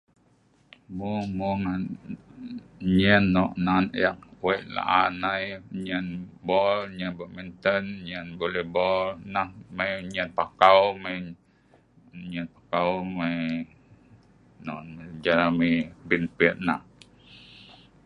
Mung mung an nyein nok nan eek wei laan ai, eek nyein bol, nyein batminten, nyen boli bol nah, mai nah nyein pakau..mai ..nyein pakau ngan mai non nceh mai mai bietnam.